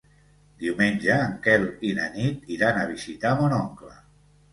Diumenge en Quel i na Nit iran a visitar mon oncle.